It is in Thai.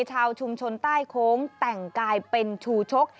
ชาวชุมชนใต้โค้งแต่งกายเป็นชูชก